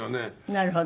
なるほど。